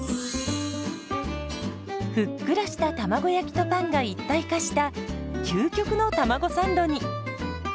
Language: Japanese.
ふっくらした卵焼きとパンが一体化した究極のたまごサンドに。